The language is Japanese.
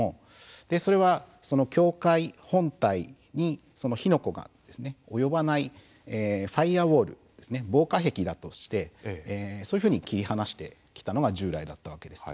それは、その教会本体に火の粉が及ばないファイアーウォール防火壁だとして、そういうふうに切り離してきたのが従来だったわけです。